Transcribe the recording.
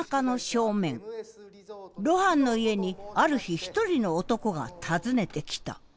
露伴の家にある日一人の男が訪ねてきた。